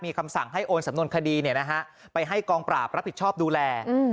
มีคำสั่งให้โอนสำนวนคดีไปให้กองปราบรับผิดชอบดูแล